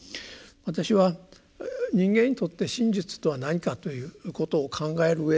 私は人間にとって真実とは何かということを考えるうえでですね